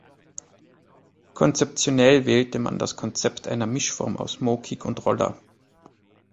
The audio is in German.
Konzeptionell wählte man das Konzept einer Mischform aus Mokick und Roller.